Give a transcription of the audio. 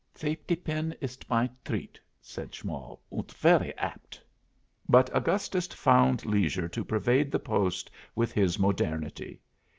"Safetypin is my treat," said Schmoll; "und very apt." But Augustus found leisure to pervade the post with his modernity.